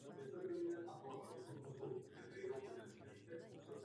V National Hockey League ovšem neodehrál ani jeden zápas.